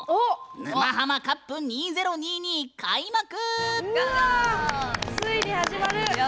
「沼ハマカップ２０２２」開幕！